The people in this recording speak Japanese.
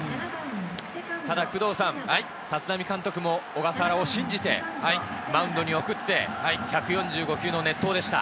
ただ工藤さん、立浪監督も小笠原を信じてマウンドに送って、１４５球の熱投でした。